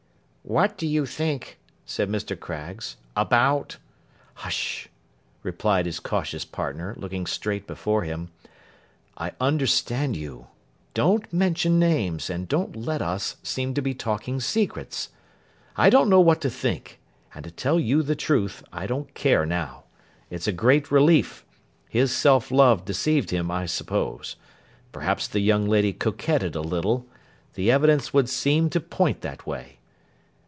'What do you think,' said Mr. Craggs, 'about—' 'Hush!' replied his cautious partner, looking straight before him. 'I understand you. Don't mention names, and don't let us, seem to be talking secrets. I don't know what to think; and to tell you the truth, I don't care now. It's a great relief. His self love deceived him, I suppose. Perhaps the young lady coquetted a little. The evidence would seem to point that way.